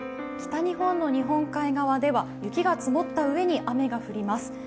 北日本の日本海側では雪が積もった上に雨が降ります。